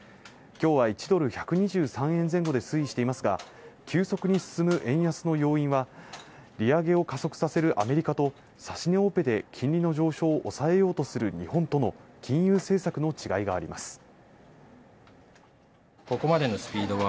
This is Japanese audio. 今日は１ドル１２３円前後で推移していますが急速に進む円安の要因は利上げを加速させるアメリカと指し値オペで金利の上昇を抑えようとする日本との金融政策の違いがあります